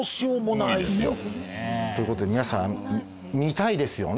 無理ですよということで皆さん見たいですよね？